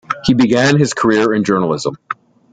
He began his career in journalism.